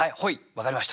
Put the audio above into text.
分かりました。